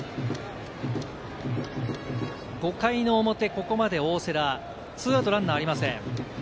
５回の表、ここまで大瀬良、２アウトランナーありません。